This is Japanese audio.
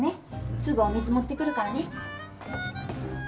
すぐお水持ってくるからね。